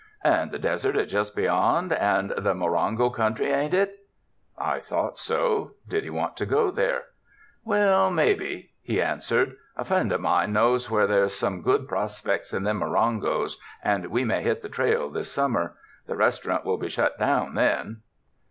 "And the desert is just beyond, and the Mo rongo country, ain't itf" I thought so. Did he want to go there? "Well, mebbe," he answered; "a friend of mine knows where there's some good prospects in them Morongos, and we may hit the trail this summer. The restaurant will be shut down then."